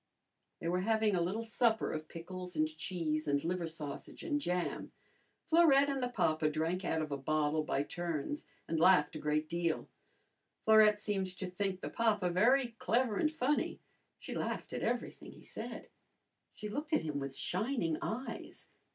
They were having a little supper of pickles and cheese and liver sausage and jam. Florette and the papa drank out of a bottle by turns and laughed a great deal. Florette seemed to think the papa very clever and funny. She laughed at everything he said. She looked at him with shining eyes.